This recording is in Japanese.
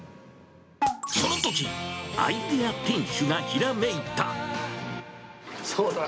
そのとき、アイデア店主がひらめそうだ！